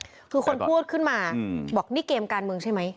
คือคนพูดขึ้นมาบอกนี่เกมการเมืองใช่ไหม